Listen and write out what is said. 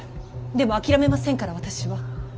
でも諦めませんから私は。